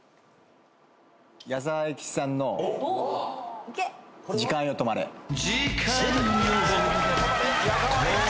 矢沢永吉さんの『時間よ止まれ』正解。